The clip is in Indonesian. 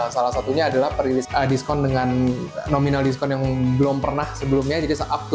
salah satunya adalah perilis diskon dengan nominal diskon yang belum pernah sebelumnya jadi up to lima puluh